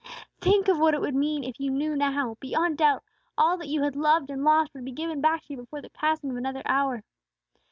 Think of what it would mean, if you knew now, beyond doubt, that all that you had loved and lost would be given back to you before the passing of another hour!